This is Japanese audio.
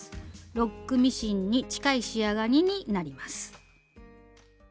ロックミシンに近い仕上がりになります。